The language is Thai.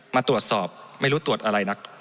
มาตรวจสอบไม่รู้ตรวจอะไรนัก